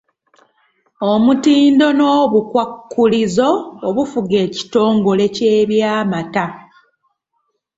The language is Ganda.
Omutindo n’obukwakkulizo obufuga ekitongole ky’eby’amata.